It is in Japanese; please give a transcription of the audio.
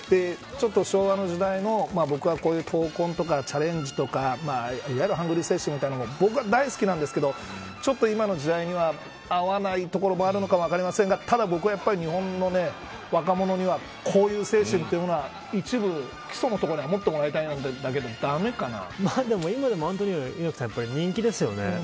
ちょっと昭和の時代の僕は闘魂とかチャレンジとかいわゆるハングリー精神みたいなもの僕は大好きなんですけどちょっと今の時代には合わないところもあるのか分かりませんがただ僕はやっぱり日本の若者にはこういう精神っていうものは一部、基礎のところでは持ってもらいたいんだけど駄目かな。